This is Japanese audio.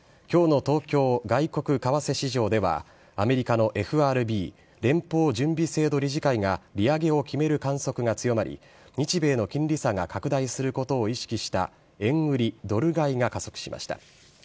きょうの東京外国為替市場では、アメリカのＦＲＢ・連邦準備制度理事会が利上げを決める観測が強まり、日米の金利差が拡大することを意識した円売りドル買いが加速しました。